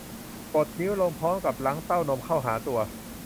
กดนิ้วลงพร้อมกับรั้งเต้านมเข้าหาตัว